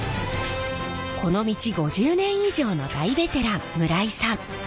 この道５０年以上の大ベテラン村井さん。